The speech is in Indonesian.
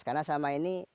karena selama ini